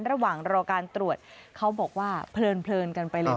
ระหว่างรอการตรวจเขาบอกว่าเพลินกันไปเลย